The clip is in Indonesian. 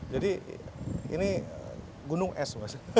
jadi ini gunung es